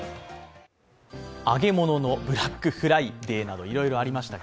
揚げ物のブラックフライデーなど、いろいろありました。